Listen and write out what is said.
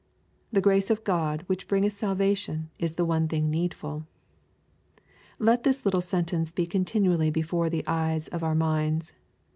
The grace of Grod which bringeth salvation is the one thing needful. Let this little sentence be continually before the eyes of our minds.